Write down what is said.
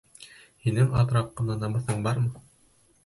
Һинең аҙыраҡ ҡына намыҫың бармы?